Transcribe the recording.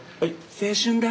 「青春だ」。